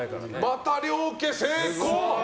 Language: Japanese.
また両家成功。